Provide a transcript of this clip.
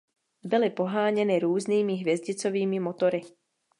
Byly poháněny různými hvězdicovými motory.